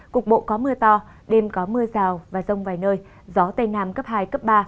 cục bộ có mưa to đêm có mưa rào và rông vài nơi gió tây nam cấp hai cấp ba